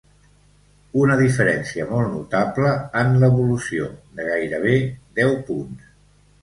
Una diferència molt notable en l’evolució, de gairebé deu punts.